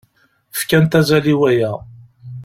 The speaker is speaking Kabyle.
Fkant azal i waya.